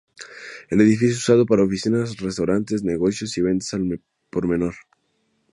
El edificio es usado para oficinas, restaurantes, negocios y ventas al por menor.